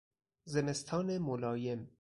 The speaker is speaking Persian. زمستان ملایم